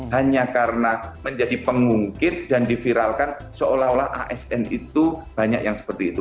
hanya karena menjadi pengungkit dan diviralkan seolah olah asn itu banyak yang seperti itu